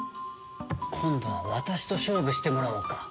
今度は私と勝負してもらおうか。